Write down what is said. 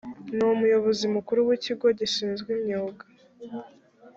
ni umuyobozi mukuru w ikigo gishinzwe imyuga